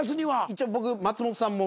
一応僕松本さんも。